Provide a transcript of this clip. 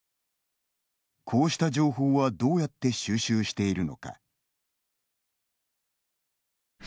こうした情報はどうやって収集しているのか。